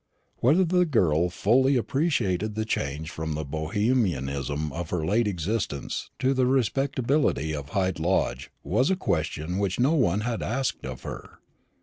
Whether the girl fully appreciated the change from the Bohemianism of her late existence to the respectability of Hyde Lodge was a question which no one had asked of her.